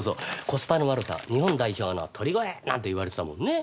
コスパの悪さ日本代表の鳥越なんて言われてたもんね。